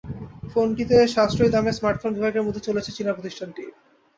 ফোনটিকে সাশ্রয়ী দামের স্মার্টফোন বিভাগের মধ্যে ফেলেছে চীনা প্রতিষ্ঠানটি।